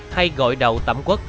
hay gọi đầu tẩm quán